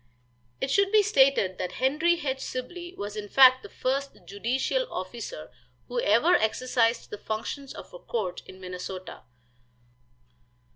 It should be stated that Henry H. Sibley was in fact the first judicial officer who ever exercised the functions of a court in Minnesota.